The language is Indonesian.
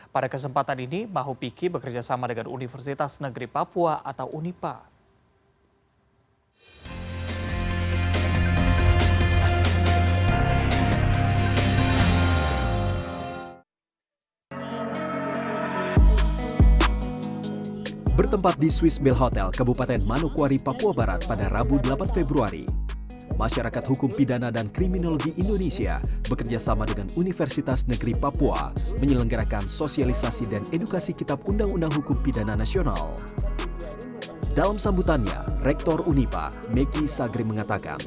pada kesempatan ini mahupiki bekerjasama dengan universitas negeri papua atau unipa